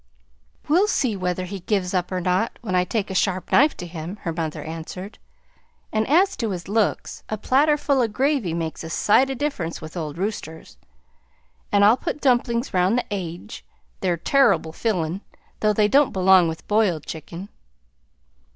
"We'll see whether he gives up or not when I take a sharp knife to him," her mother answered; "and as to his looks, a platter full o' gravy makes a sight o' difference with old roosters, and I'll put dumplings round the aidge; they're turrible fillin', though they don't belong with boiled chicken."